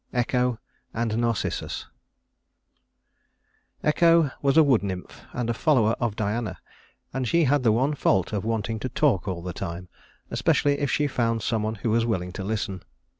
Echo and Narcissus Echo was a wood nymph and a follower of Diana; and she had the one fault of wanting to talk all the time, especially if she found some one who was willing to listen.